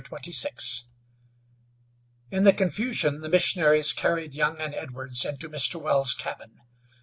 Chapter XXVI. In the confusion the missionaries carried Young and Edwards into Mr. Wells' cabin.